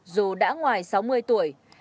dù đã ngoài sáu mươi tuổi